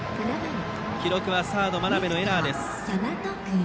記録はサード、眞邉のエラーです。